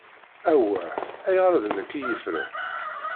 Awah! Ayɣer d nekk i yefren?